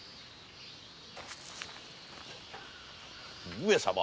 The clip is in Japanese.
上様。